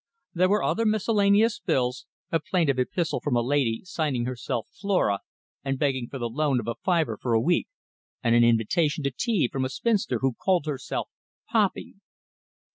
There were other miscellaneous bills, a plaintive epistle from a lady signing herself Flora, and begging for the loan of a fiver for a week, and an invitation to tea from a spinster who called herself Poppy.